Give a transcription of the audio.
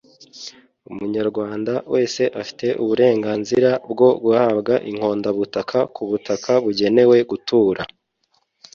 Umunyarwanda wese afite uburenganzira bwo guhabwa inkondabutaka ku butaka bugenewe gutura